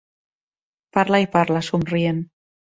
Parla i parla, somrient.